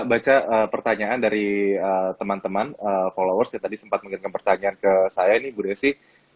baca pertanyaan dari teman teman followers yang tadi sempat mengirimkan pertanyaan ke saya ini bu desi